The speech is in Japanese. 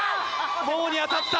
ももに当たった！